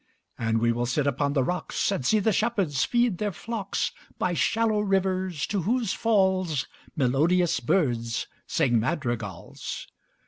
And we will sit upon the rocks, 5 And see the shepherds feed their flocks By shallow rivers, to whose falls Melodious birds sing madrigals.